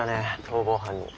逃亡犯に。